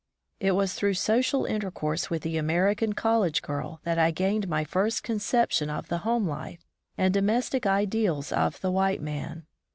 It was through social intercourse with the American college gu 1 that I gained my first conception of the home life and domestic ideals of the white man.